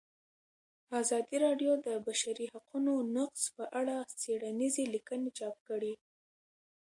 ازادي راډیو د د بشري حقونو نقض په اړه څېړنیزې لیکنې چاپ کړي.